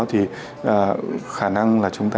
thì khả năng là chúng ta